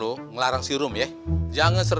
rum mau siap siap mau ngajar